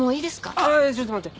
ああちょっと待って。